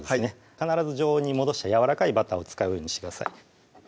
必ず常温に戻してやわらかいバターを使うようにしてください